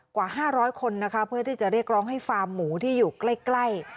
กว่า๕๐๐คนนะคะเพื่อที่จะเรียกร้องให้ฟาร์มหมูที่อยู่ใกล้